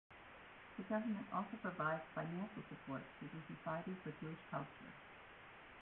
The government also provides financial support to the Society for Jewish Culture.